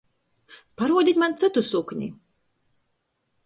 Paruodit maņ cytu sukni!